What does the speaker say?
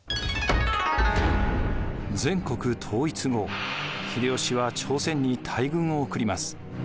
全国統一後秀吉は朝鮮に大軍を送ります。